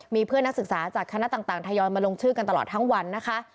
มีเพื่อนนักศึกษาจากคณะต่างทยอยมาลงชื่อกันตลอดทั้งวันนะคะ